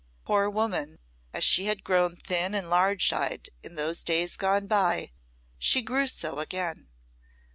Poor woman, as she had grown thin and large eyed in those days gone by, she grew so again.